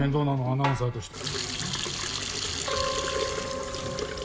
アナウンサーとして。